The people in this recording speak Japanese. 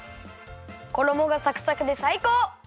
ころもがサクサクでさいこう！